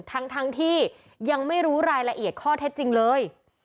ทั้งที่ยังไม่รู้รายละเอียดข้อเท็จจริงเลย